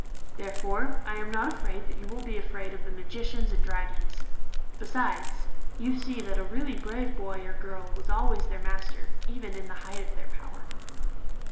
Therefore, I am not afraid that you will be afraid of the magicians and dragons; besides, you see that a really brave boy or girl was always their master, even in the height of their power.